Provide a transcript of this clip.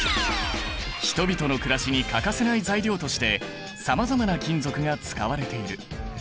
人々のくらしに欠かせない材料としてさまざまな金属が使われている。